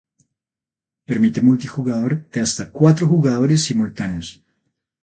Permite multijugador de hasta cuatro jugadores simultáneos.